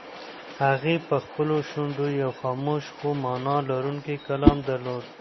هغې په خپلو شونډو یو خاموش خو مانا لرونکی کلام درلود.